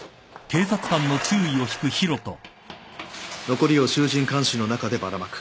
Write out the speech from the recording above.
残りを衆人環視の中でばらまく。